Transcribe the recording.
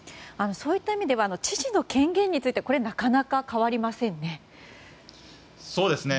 そういった意味では知事の権限についてこれはなかなか変わりませんね。